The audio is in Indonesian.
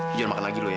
jangan makan lagi lu ya